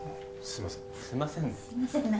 すいませんね。